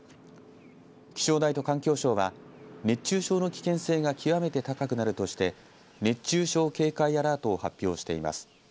気象台と環境省は熱中症の危険性が極めて高くなるとして熱中症警戒アラートを発表しています。